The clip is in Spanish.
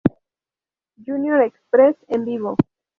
Junior Express: En vivo